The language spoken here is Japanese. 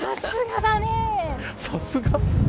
さすが？